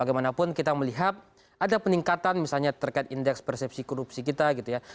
bagaimanapun kita melihat ada peningkatan misalnya terkait indeks persepsi korupsi kita gitu ya